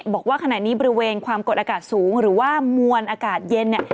บอกว่าขณะนี้บริเวณความกดอากาศสูงหรือว่ามวลอากาศเย็นเนี่ย